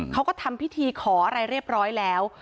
เขาก็ทำพิธีขออะไรเรียบร้อยแล้ว